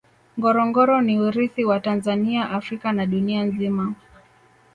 ngorongoro ni urithi wa tanzania africa na dunia nzima